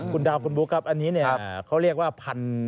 คุณดาวคุณบุ๊คครับอันนี้เขาเรียกว่าพัน